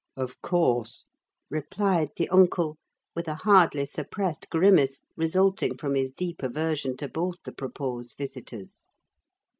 "Of course," replied the uncle, with a hardly suppressed grimace, resulting from his deep aversion to both the proposed visitors.